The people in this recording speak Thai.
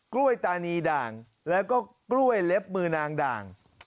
กล้วยตานีด่างแล้วก็กล้วยเล็บมือนางด่าง